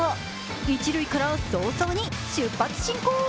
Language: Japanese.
一塁から早々に出発進行。